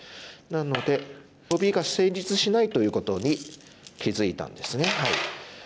なのでノビが成立しないということに気付いたんですね。